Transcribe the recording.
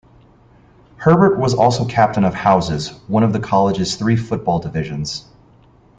Herbert was also Captain of Houses, one of the College's three football divisions.